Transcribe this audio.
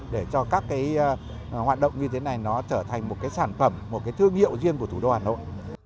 để cho các hoạt động như thế này nó trở thành một sản phẩm một thương hiệu riêng của thủ đô hà nội